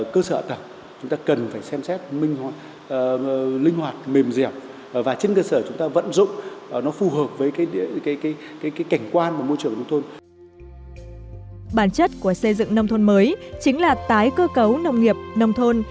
chính là tái cơ cấu nông nghiệp nông thôn